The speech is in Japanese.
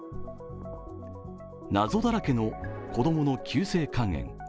謎だらけの子供の急性肝炎。